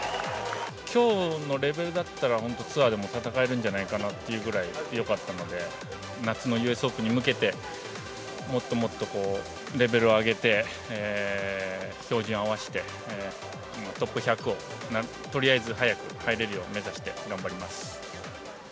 きょうのレベルだったら、本当、ツアーでも戦えるんじゃないかなっていうぐらいよかったので、夏のＵＳオープンに向けて、もっともっとレベルを上げて、照準を合わせて、トップ１００を、とりあえず早く入れるように目指して頑張ります。